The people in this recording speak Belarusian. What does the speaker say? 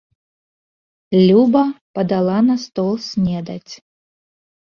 Люба падала на стол снедаць.